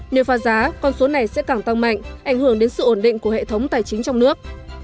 nếu pha giá con số này sẽ càng tăng mạnh ảnh hưởng đến sự ổn định của hệ thống tài chính trong nước